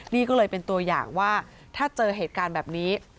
นี่ก็เลยเป็นตัวอย่างว่าถ้าเจอเหตุการณ์แบบนี้